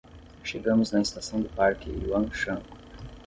Chegamos na estação do parque Yuanshan